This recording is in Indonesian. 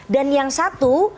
dan yang satu